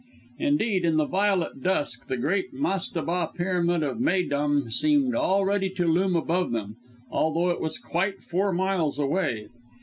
Indeed, in the violet dusk, the great mastabah Pyramid of Méydûm seemed already to loom above them, although it was quite four miles away.